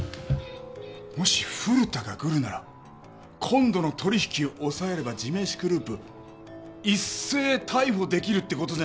もし古田がグルなら今度の取引を押さえれば地面師グループ一斉逮捕できるってことじゃないか。